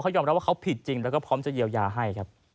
เขายอมแล้วเค้าผิดจริงแล้วพร้อมจะเยียวยาให้